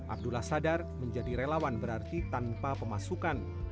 abdullah sadar menjadi relawan berarti tanpa pemasukan